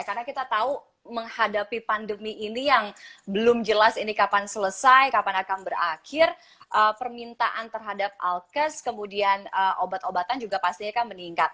karena kita tahu menghadapi pandemi ini yang belum jelas ini kapan selesai kapan akan berakhir permintaan terhadap alkes kemudian obat obatan juga pastinya akan meningkat